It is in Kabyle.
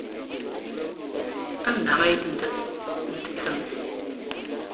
Anda ay tent-tekksem?